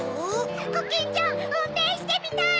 コキンちゃんうんてんしてみたい！